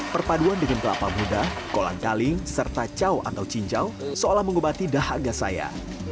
perpaduan dengan kelapa muda kolang kaling serta cau atau cincau seolah mengobati dahaga saya